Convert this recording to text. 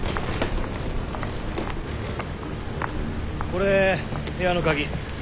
これ部屋の鍵。